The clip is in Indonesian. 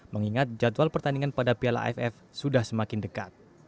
mengingat jadwal pertandingan pada piala aff sudah semakin dekat